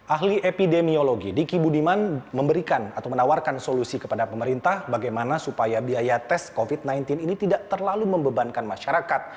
ahli epidemiologi diki budiman memberikan atau menawarkan solusi kepada pemerintah bagaimana supaya biaya tes covid sembilan belas ini tidak terlalu membebankan masyarakat